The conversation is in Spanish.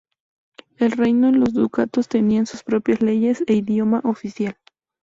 El reino y los ducados tenían sus propias leyes e idioma oficial.